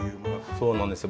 そうなんですよ